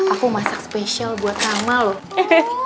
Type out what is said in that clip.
aku masak spesial buat rama loh